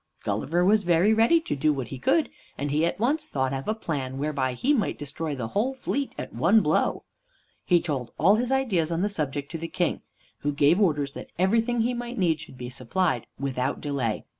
Gulliver was very ready to do what he could, and he at once thought of a plan whereby he might destroy the whole fleet at one blow. He told all his ideas on the subject to the King, who gave orders that everything he might need should be supplied without delay.